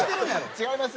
違いますよ。